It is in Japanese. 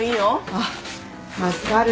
あっ助かる。